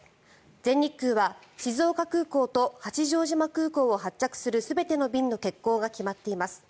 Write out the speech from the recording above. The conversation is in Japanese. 全日空は静岡空港と八丈島空港を発着する全ての便の欠航が決まっています。